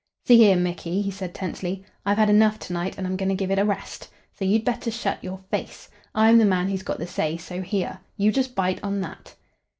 "See here, Micky," he said tensely. "I've had enough to night, and I'm going to give it a rest. So you'd better shut your face. I'm the man who's got the say, so here. You just bite on that."